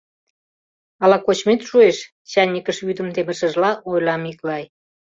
Ала кочмет шуэш? — чайникыш вӱдым темышыжла, ойла Миклай.